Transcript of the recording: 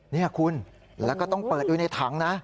นี่คุณแล้วก็ต้องเปิดดูในถังนะ